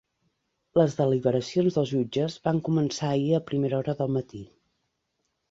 Les deliberacions dels jutges van començar ahir a primera hora del matí.